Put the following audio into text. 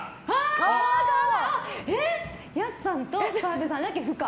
やすさんと澤部さんだけ不可。